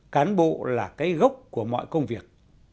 cán bộ là cái gốc của mọi công việc